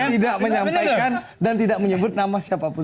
tidak menyampaikan dan tidak menyebut nama siapapun